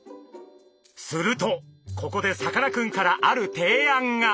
するとここでさかなクンからある提案が。